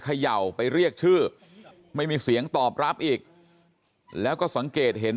เขย่าไปเรียกชื่อไม่มีเสียงตอบรับอีกแล้วก็สังเกตเห็น